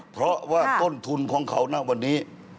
เพราะว่าต้นทุนของเขาณวันนี้